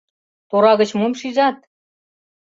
— Тора гыч мом шижат?